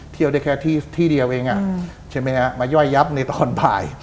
เที่ยวได้แคบที่เดียวเองก็ได้ช่วยใยับในตอนบ่าย